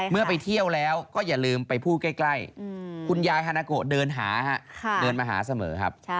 เมื่อไปเที่ยวแล้วก็อย่าลืมไปพูดใกล้คุณยายฮานาโกะเดินหาเดินมาหาเสมอครับ